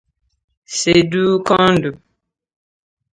Sedoo Kondo